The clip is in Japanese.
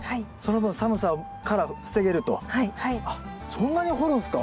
そんなに掘るんすか？